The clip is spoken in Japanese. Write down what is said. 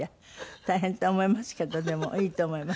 大変って思いますけどでもいいと思います。